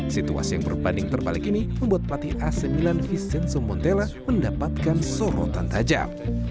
situasi yang berbanding terbalik ini membuat pelatih ac milan vincenzo montella mendapatkan sorotan tajam